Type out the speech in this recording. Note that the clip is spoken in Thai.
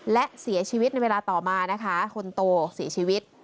และเสียชีวิตในเวลาต่อมานะคะคนโตเสียชีวิต